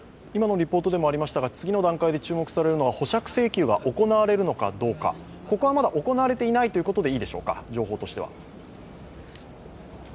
次の段階で注目されるのが保釈請求が行われるのかどうかここはまだ行われていないということでいいでしょうか、情報としては。